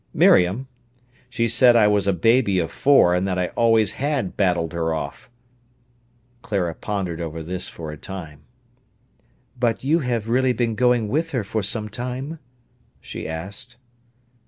"Miriam? She said I was a baby of four, and that I always had battled her off." Clara pondered over this for a time. "But you have really been going with her for some time?" she asked.